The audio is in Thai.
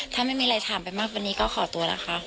ถ้าไม่มีอะไรถามไปมากกว่านี้ก็ขอตัวนะคะ